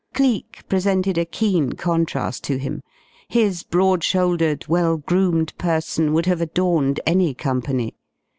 Cleek presented a keen contrast to him. His broad shouldered, well groomed person would have adorned any company.